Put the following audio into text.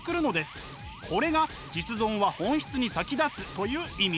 これが「実存は本質に先立つ」という意味。